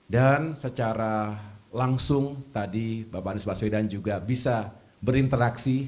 dan secara langsung tadi bapak anies baswedan juga bisa berinteraksi